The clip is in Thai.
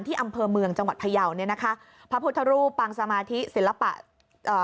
อำเภอเมืองจังหวัดพยาวเนี่ยนะคะพระพุทธรูปปางสมาธิศิลปะเอ่อ